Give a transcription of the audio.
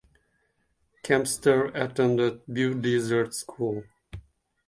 Kempster attended Beaudesert School.